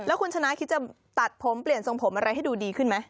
คุณชนะคิดจะตัดผมเปลี่ยนทรงผมอะไรให้ดูดีขึ้นไหม